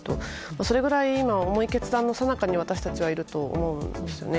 それぐらい重い決断のさなかに私たちはいると思うんですよね。